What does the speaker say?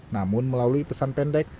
namun melalui pesan pendek